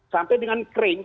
sampai dengan kering